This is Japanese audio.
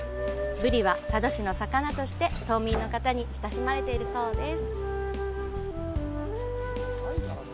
ブリは佐渡市の魚として島民の方に親しまれているそうです。